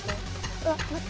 うわっ待って。